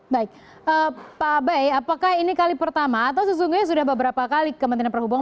baik pak bay apakah ini kali pertama atau sesungguhnya sudah beberapa kali kementerian perhubungan